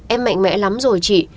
em mạnh mẽ lắm rồi chị